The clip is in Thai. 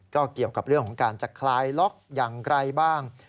ก็เกี่ยวกับเรื่องของการจะคลายล็อกอย่างไรบ้าง